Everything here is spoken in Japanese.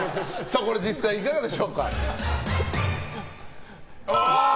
実際いかがでしょうか。